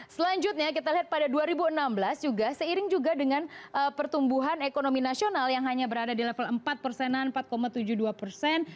selanjutnya kita lihat pada dua ribu enam belas juga seiring juga dengan pertumbuhan ekonomi nasional yang hanya berada di level empat persenan empat tujuh puluh dua persen